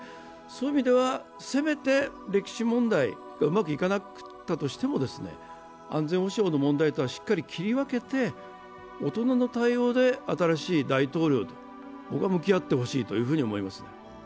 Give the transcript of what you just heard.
そういう意味では、せめて歴史問題がうまくいかなかったとしても、安全保障の問題とはしっかり切り分けて大人の対応で新しい大統領と向き合ってほしいと思います。